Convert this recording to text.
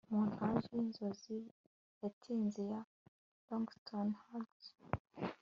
Montage yinzozi yatinze ya Langston Hughes